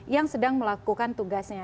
yang sedang melakukan tugasnya